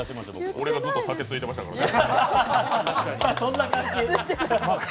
俺がずっと酒、ついでましたからね。